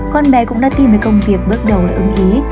con bé cũng đã tìm được công việc bước đầu ở ứng ý